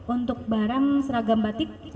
untuk barang seragam batik